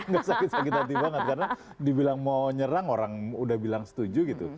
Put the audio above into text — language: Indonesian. gak sakit sakit hati banget karena dibilang mau nyerang orang udah bilang setuju gitu